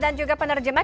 dan juga penerjemah